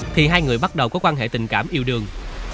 thì hai người bắt đầu có quan hệ tình cảm yêu đương